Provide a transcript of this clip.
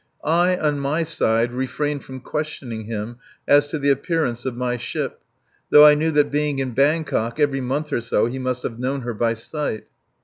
I, on my side, refrained from questioning him as to the appearance of my ship, though I knew that being in Bangkok every fortnight or so he must have known her by sight.